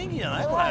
これ。